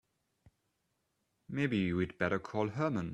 Maybe we'd better call Herman.